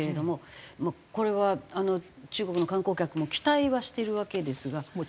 これは中国の観光客も期待はしてるわけですが。